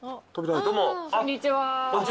こんにちは！